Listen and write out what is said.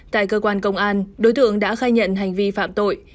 tại cơ quan công an đối tượng đã khai nhận hành vi phạm tội